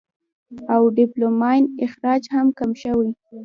او ډوپامين اخراج هم کم شي -